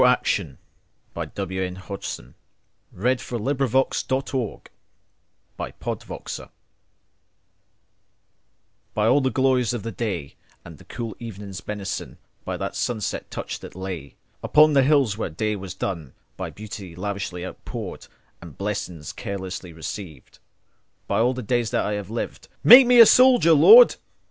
1917. William Noel Hodgson ("Edward Melbourne") Before Action BY all the glories of the day, And the cool evening's benison:By the last sunset touch that layUpon the hills when day was done:By beauty lavishly outpoured, And blessings carelessly received, By all the days that I have lived, Make me a soldier, Lord.